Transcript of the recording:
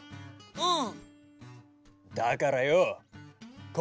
うん。